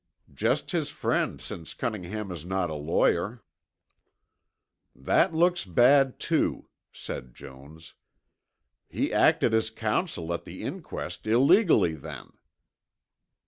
"Just his friend since Cunningham is not a lawyer." "That looks bad, too," said Jones. "He acted as counsel at the inquest illegally then."